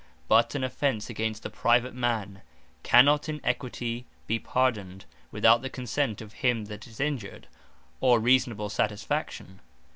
But an offence against a private man, cannot in Equity be pardoned, without the consent of him that is injured; or reasonable satisfaction.